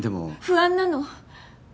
不安なの。